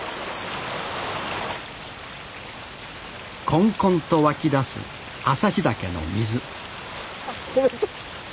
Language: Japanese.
こんこんと湧き出す旭岳の水冷たい！